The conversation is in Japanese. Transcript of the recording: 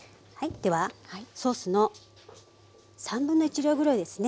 ではソースの1/3量ぐらいですね。